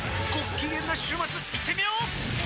きげんな週末いってみよー！